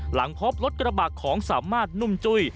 หลังพบรถกระบะของสามารถนุ่มจุ้ย